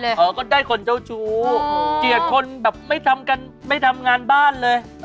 อ๋อก็ได้คนเจ้าชู้เกลียดคนแบบไม่ทำกันไม่ทำงานบ้านเลย